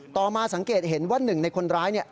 ต่อมาสังเกตเห็นว่า๑ในคนร้ายเนี่ย